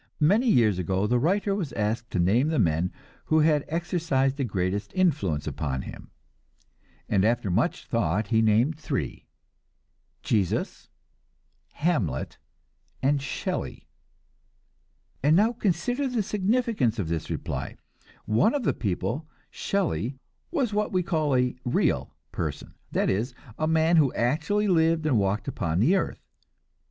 Many years ago the writer was asked to name the men who had exercised the greatest influence upon him, and after much thought he named three: Jesus, Hamlet and Shelley. And now consider the significance of this reply. One of these people, Shelley, was what we call a "real" person; that is, a man who actually lived and walked upon the earth.